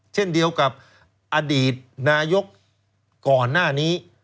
เช่นเดียวกับอดีตนายกก่อนหน้านี้